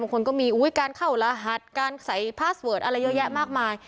คนก็มีการเข้ารหัสการใส่พาสเวิร์ดอะไรเยอะแยะมากมาย